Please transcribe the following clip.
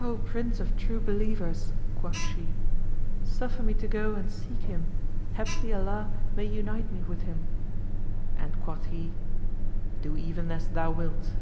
"O Prince of True Believers," quoth she, "suffer me to go and seek him; haply Allah may unite me with him:" and quoth he, "Do even as thou wilt."